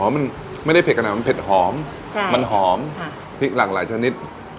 อ๋อมันไม่ได้มันเผ็ดหอมใช่มันหอมฮะพลิกหลากหลายชนิด